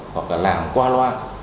hoặc là làm qua loa